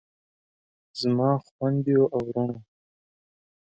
زما خویندو او وروڼو.